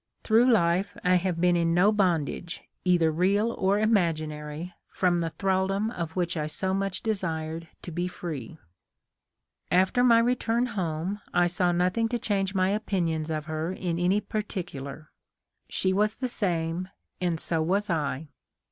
Through life, I have been in no bondage, either real or imaginary, from the thral l6o THE LIFE OF LINCOLN. dom of which I so much desired to be free. After my return home, I saw nothing to change my opin ions of her in any particular. She was the same, and so was I.